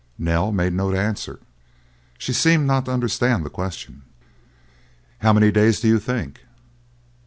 Nell made no answer; she seemed not to understand the question. "How many days, do you think?"